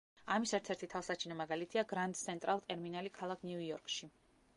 ამის ერთ-ერთი თვალსაჩინო მაგალითია გრანდ სენტრალ ტერმინალი ქალაქ ნიუ-იორკში.